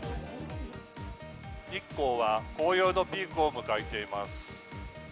日光は紅葉のピークを迎えています。